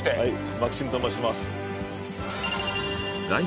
マキシムと申します。